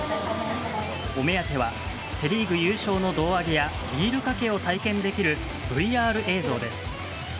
お目当てはセ・リーグ優勝の胴上げやビールかけを体験できるＶＲ映像です。